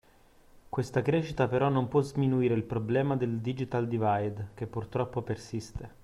Questa crescita però non può sminuire il problema del “Digital divide” che purtroppo persiste